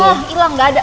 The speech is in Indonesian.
oh ilang gak ada